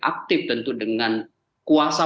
aktif tentu dengan kuasa